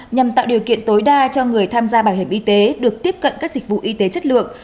nhằm tạo điều kiện tối đa cho người tham gia bảo hiểm y tế được tiếp cận các dịch vụ y tế chất lượng